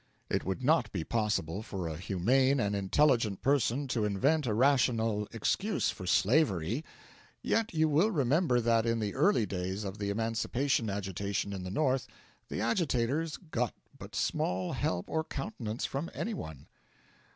It would not be possible for a humane and intelligent person to invent a rational excuse for slavery; yet you will remember that in the early days of the emancipation agitation in the North the agitators got but small help or countenance from any one.